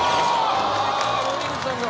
森口さんだ。